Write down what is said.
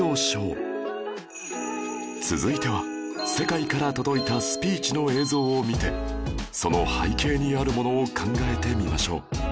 続いては世界から届いたスピーチの映像を見てその背景にあるものを考えてみましょう